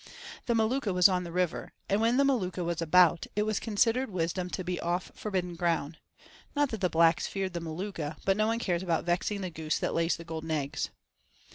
The Maluka was on the river, and when the Maluka was about, it was considered wisdom to be off forbidden ground; not that the blacks feared the Maluka, but no one cares about vexing the goose that lays the golden eggs.